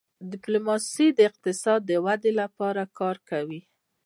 ډيپلوماسي د اقتصادي ودې لپاره کار کوي.